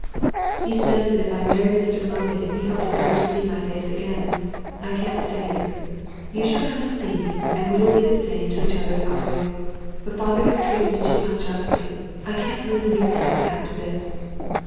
'He says that if I marry Mr Milvain he hopes never to see my face again. I can't stay here. You shall come and see me, and we will be the same to each other as always. But father has treated me too unjustly. I can't live near him after this.